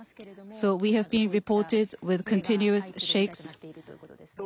そうですね。